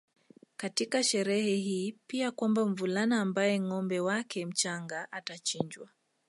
katika sherehe hii pia kwamba mvulana ambaye ngâombe wake mchanga atachinjwa